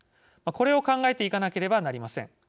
これを考えていかなかればなりません。